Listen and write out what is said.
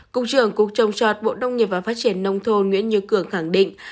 cục trưởng cục trồng trọt bộ nông nghiệp và phát triển nông thôn nguyễn như cường khẳng định